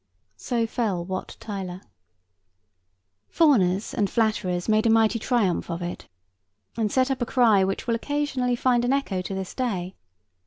So fell Wat Tyler. Fawners and flatterers made a mighty triumph of it, and set up a cry which will occasionally find an echo to this day.